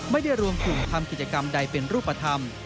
ไม่ได้รวมกลุ่มทำกิจกรรมใดเป็นรูปธรรม